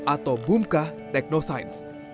atau bumka teknosains